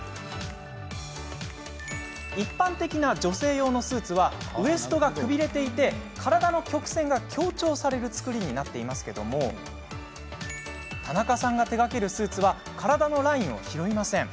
一般的な女性用のスーツはウエストがくびれていて体の曲線が強調される作りになっていますけれども田中さんが手がけるスーツは体のラインを拾いません。